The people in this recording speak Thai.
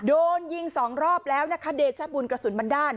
โดนยิงสองรอบแล้วนะคะเดชบุญกระสุนมันด้าน